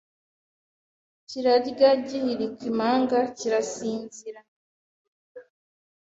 Kirarya gihirika impanga kirasinzira nkambere